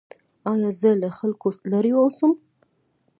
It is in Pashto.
ایا زه له خلکو لرې اوسم؟